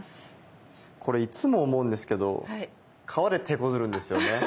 これいつも思うんですけど皮でてこずるんですよね。